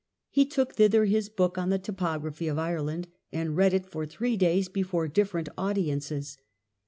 He took thither his book on the topography of Ireland, and read it for three days before different audiences.